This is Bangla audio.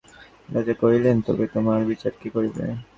রাজা কহিলেন, তবে তোমার বিচার কে করিবে?